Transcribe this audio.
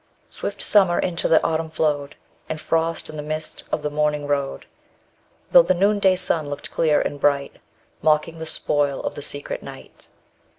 Swift Summer into the Autumn flowed, And frost in the mist of the morning rode, Though the noonday sun looked clear and bright, Mocking the spoil of the secret night.